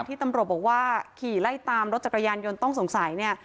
ที่ตำรวจบอกว่าขี่ไล่ตามรถจักรยานยนต์ต้องสงสัยเนี่ย